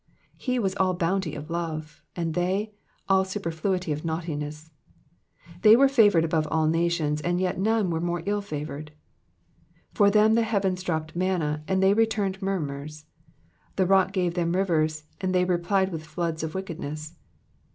He was all bounty of love, and they all supeifluity of naughtiness. They were favoured above all nations, and yet none were more ill favoured. For them the heavens dropped manna, and they returned mutmurs ; the rocks gave them rivers, and they replied with floods of wickedness.